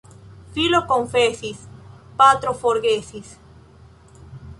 Filo konfesis — patro forgesis.